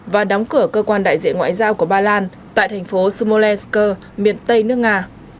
và đóng cửa cơ quan đại diện ngoại giao của ba lan tại thành phố smolensk miền tây nước nga